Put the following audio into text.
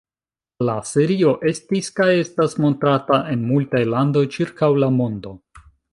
La serio estis kaj estas montrata en multaj landoj ĉirkaŭ la mondo.